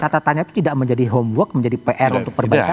tidak menjadi homework menjadi pr untuk perbaikan